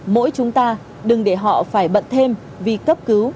mỗi chúng ta đừng để họ phải bận thêm vì cấp cứu